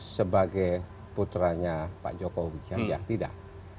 sebagai putranya pak jokowi saja tidak